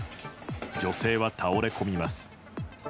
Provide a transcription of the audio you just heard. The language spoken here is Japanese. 女性は倒れ込みます。